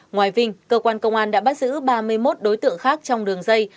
ngoài vinh cơ quan công an đã bắt giữ ba mươi một đối tượng khác trong đường dây